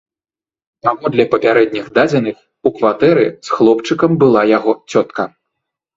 Паводле папярэдніх дадзеных, у кватэры з хлопчыкам была яго цётка.